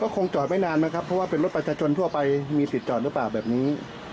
ก็คงจอดไม่นานนะครับว่าเป็นรถประชาชนทั่วไปมีสิทธิ์จอดรึปะแบบนี้